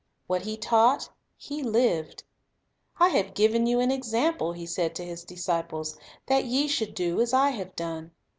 What He taught, He lived. " I have given you an example," He said to His disciples ; "that ye should do as I have done."